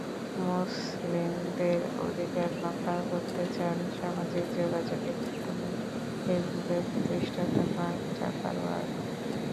মুসলিমদের অধিকার রক্ষা করতে চান সামাজিক যোগাযোগের মাধ্যম ফেসবুকের প্রতিষ্ঠাতা মার্ক জাকারবার্গ।